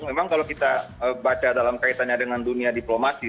memang kalau kita baca dalam kaitannya dengan dunia diplomasi